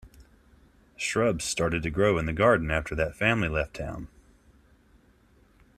Shrubs started to grow in the garden after that family left town.